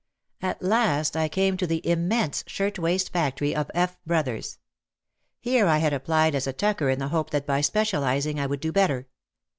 At last I came to the immense shirt waist factory of F. Brothers. Here I had applied as a tucker in the hope that by specialising I would do better.